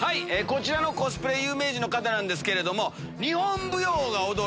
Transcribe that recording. こちらのコスプレ有名人の方なんですけど。